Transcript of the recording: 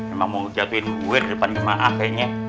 emang mau ucapin gue di depan jemaah kayaknya